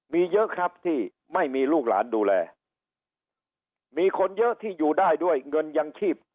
มีเยอะครับที่ไม่มีลูกหลานดูแลมีคนเยอะที่อยู่ได้ด้วยเงินยังชีพ